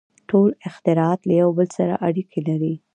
• ټول اختراعات له یو بل سره اړیکې لري.